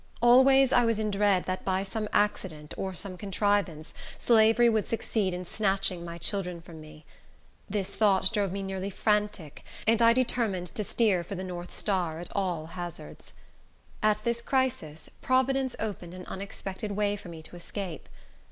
Always I was in dread that by some accident, or some contrivance, slavery would succeed in snatching my children from me. This thought drove me nearly frantic, and I determined to steer for the North Star at all hazards. At this crisis, Providence opened an unexpected way for me to escape.